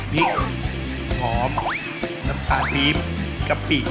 นี่หอมน้ำตาดรีบกะปิ